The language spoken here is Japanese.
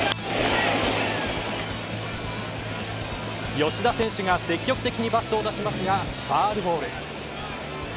吉田選手が積極的にバットを出しますがファウルボール。